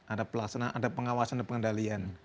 ada pelaksanaan ada pengawasan dan pengendalian